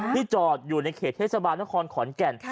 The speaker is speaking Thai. จอดอยู่ในเขตเทศบาลนครขอนแก่น